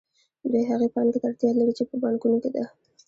دوی هغې پانګې ته اړتیا لري چې په بانکونو کې ده